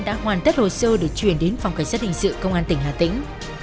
đã hoàn tất hồ sơ để chuyển đến phòng cảnh sát hình sự công an tỉnh hà tĩnh